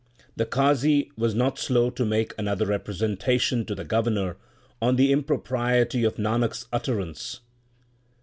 The Qazi was not slow to make another representation to the Governor on the impropriety of Nanak s utter ance.